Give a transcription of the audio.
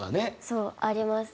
そうあります。